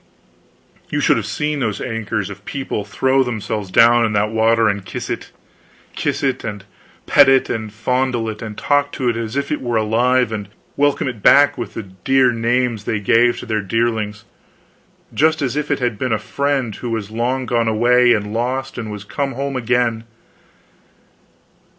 You should have seen those acres of people throw themselves down in that water and kiss it; kiss it, and pet it, and fondle it, and talk to it as if it were alive, and welcome it back with the dear names they gave their darlings, just as if it had been a friend who was long gone away and lost, and was come home again.